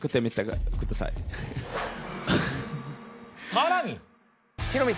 さらに！